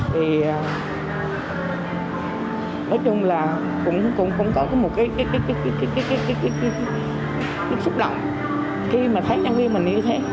thì nói chung là cũng không có một cái xúc động khi mà thấy nhân viên mình như thế